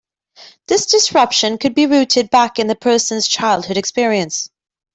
This disruption could be rooted back in the person's childhood experience.